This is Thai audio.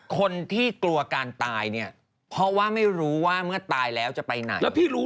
คนที่กลัวการตายนี้เพราะว่าไม่รู้ว่าเมื่อตายแล้วจะไปไหน